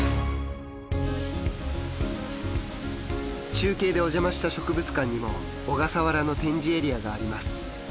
中継でお邪魔した植物館にも小笠原の展示エリアがあります。